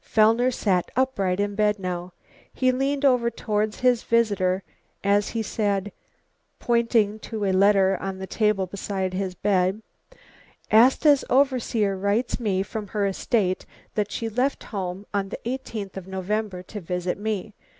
Fellner sat upright in bed now. He leaned over towards his visitor as he said, pointing to a letter on the table beside his bed, "Asta's overseer writes me from her estate that she left home on the 18th of November to visit me.